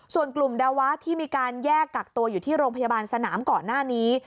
ส่วนกลุ่มดาวะที่มีการแยกกักตัวอยู่ที่โรงพยาบาลสนามก่อนหน้านี้